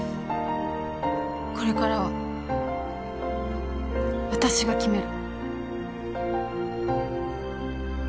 これからは私が決める。